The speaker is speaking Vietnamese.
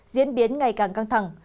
diễn biến ngày càng căng thẳng